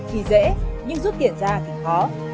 thì dễ nhưng rút tiền ra thì khó